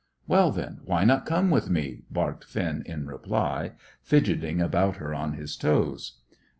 "Well, then, why not come with me?" barked Finn in reply, fidgeting about her on his toes.